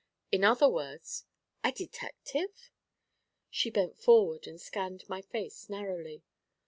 In other words ' 'A detective?' She bent forward and scanned my face narrowly.